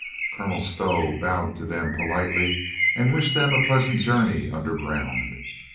Colonel Stow bowed to them politely THE KING LOOKS 347 and wished them a pleasant journey underground.